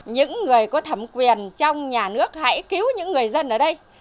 những người có thẩm quyền trong nhà nước hãy cứu những người dân ở đây